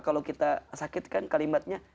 kalau kita sakit kan kalimatnya